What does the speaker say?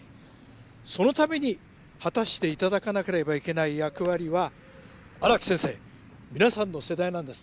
そのために果たして頂かなければいけない役割は荒木先生皆さんの世代なんです。